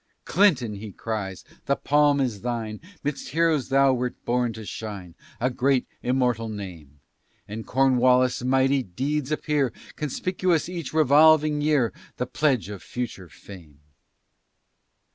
"Clinton," he cries, "the palm is thine, 'Midst heroes thou wert born to shine A great immortal name, And Cornwallis' mighty deeds appear Conspicuous each revolving year, The pledge of future fame."